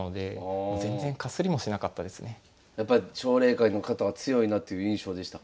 やっぱり奨励会の方は強いなという印象でしたか？